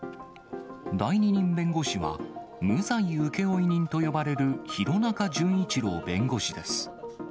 代理人弁護士は、無罪請負人と呼ばれる弘中惇一郎弁護士です。